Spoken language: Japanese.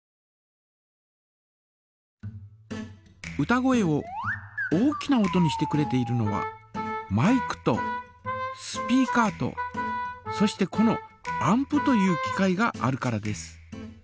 歌声を大きな音にしてくれているのはマイクとスピーカーとそしてこのアンプという機械があるからです。